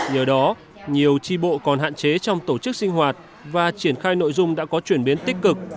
nhờ đó nhiều tri bộ còn hạn chế trong tổ chức sinh hoạt và triển khai nội dung đã có chuyển biến tích cực